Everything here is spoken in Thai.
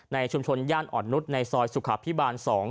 ชุมชนย่านอ่อนนุษย์ในซอยสุขภิบาล๒